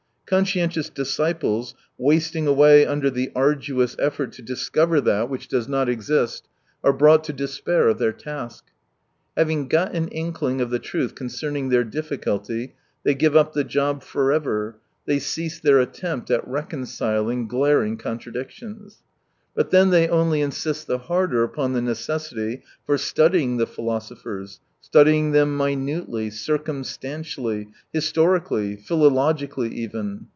Conscientious disciples, wasting away under the arduous effort to discover that which 60 does not exist, are brought to despair of their task. Having got an inkling of the truth concerning their difficulty, they give up the job for ever, they cease their attempt at reconciling glaring contradictions. But then they only insist the harder upon the necessity for studying the philosophers, studying them minutely, circumstantially, historically, philologically even.